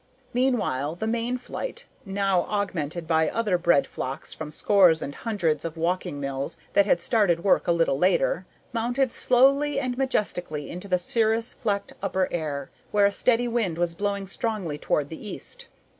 Meanwhile, the main flight, now augmented by other bread flocks from scores and hundreds of walking mills that had started work a little later, mounted slowly and majestically into the cirrus flecked upper air, where a steady wind was blowing strongly toward the east.